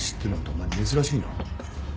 お前珍しいな。